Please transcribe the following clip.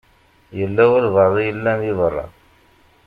Yella walebɛaḍ i yellan di beṛṛa.